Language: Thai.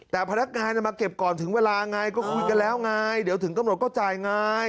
แต่พนักงานมาเก็บก่อนถึงเวลาไงก็คุยกันแล้วไงเดี๋ยวถึงกำหนดก็จ่ายไง